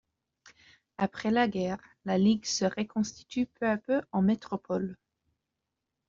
Après la guerre, la Ligue se reconstitue peu à peu en métropole.